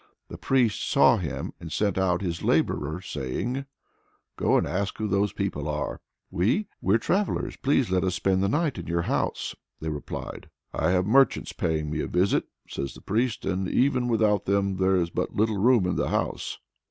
The priest saw him and sent out his laborer, saying: "Go and ask who those people are." "We? we're travellers; please let us spend the night in your house," they replied. "I have merchants paying me a visit," says the priest, "and even without them there's but little room in the house."